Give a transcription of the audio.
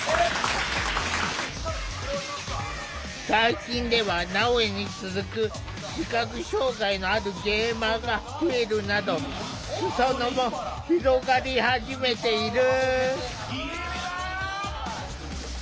最近ではなおやに続く視覚障害のあるゲーマーが増えるなど裾野も広がり始めている。